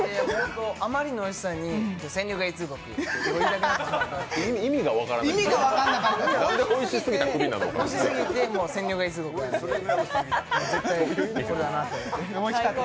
あまりのおいしさに戦力外通告って言いたくなってしまった。